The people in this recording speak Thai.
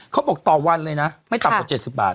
ต่อวันเลยนะไม่ต่ำกว่า๗๐บาท